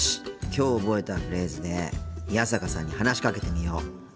きょう覚えたフレーズで宮坂さんに話しかけてみよう。